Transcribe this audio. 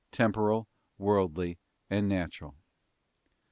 temporal, worldly, and natural.